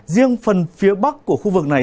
riêng phần phía bắc của khu vực này